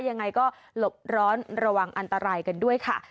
ยังไงก็หลบร้อนระวังอันตรายกันด้วยค่ะ